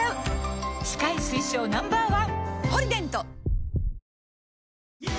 歯科医推奨 Ｎｏ．１！